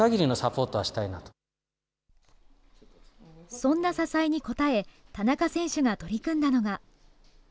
そんな支えに応え、田中選手が取り組んだのが。